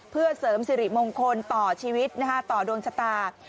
เพื่อเสริมสิริมงคลต่อชีวิตต่อดวงชะตา